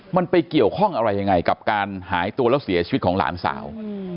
มันไปเกี่ยวข้องอะไรยังไงกับการหายตัวแล้วเสียชีวิตของหลานสาว